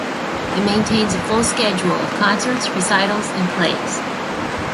It maintains a full schedule of concerts, recitals, and plays.